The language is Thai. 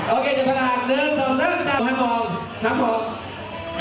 โอเคจะฉลาก๑๒๓จ้ะข้างบนครับผม